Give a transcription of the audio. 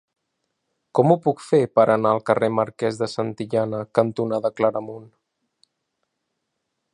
Com ho puc fer per anar al carrer Marquès de Santillana cantonada Claramunt?